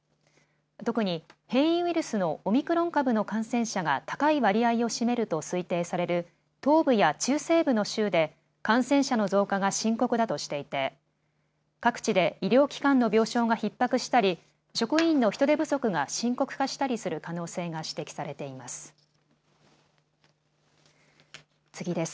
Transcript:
特に変異ウイルスのオミクロン株の感染者が高い割合を占めると推定される東部や中西部の州で感染者の増加が深刻だとしていて各地で医療機関の病床がひっ迫したり職員の人手不足が深刻化したりする可能性が指摘されています。